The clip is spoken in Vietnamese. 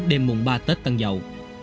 đêm mùa ba tết tăng dậu